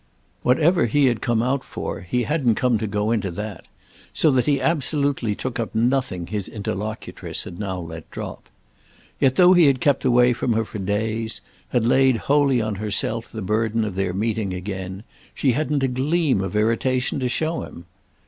Whatever he had come out for he hadn't come to go into that; so that he absolutely took up nothing his interlocutress had now let drop. Yet, though he had kept away from her for days, had laid wholly on herself the burden of their meeting again, she hadn't a gleam of irritation to show him.